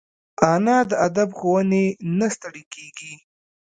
انا د ادب ښوونې نه ستړي کېږي